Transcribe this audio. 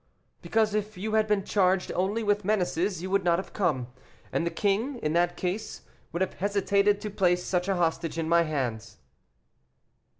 "Because if you had been charged only with menaces, you would not have come, and the king in that case would have hesitated to place such a hostage in my hands."